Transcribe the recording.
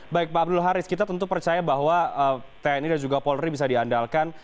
baik pak abdul haris kita tentu percaya bahwa tni dan juga polri bisa diandalkan